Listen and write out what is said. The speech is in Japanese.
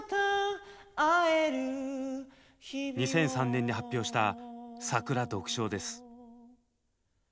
２００３年に発表した「さくら」です。